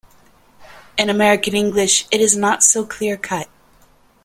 In American English it is not so clear cut.